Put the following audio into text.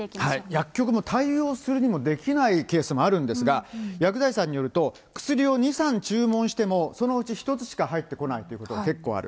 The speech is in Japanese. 薬局も対応するにもできないケースもあるんですが、薬剤師さんによると、薬を２、３注文しても、そのうち１つしか入ってこないということ、結構ある。